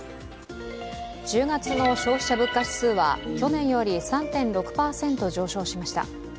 １０月の消費者物価指数は去年より３．６％上昇しました。